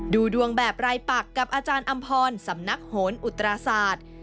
ดูดวงแบบรายปักกับอาจารย์อำพรสำนักโหนอุตราศาสตร์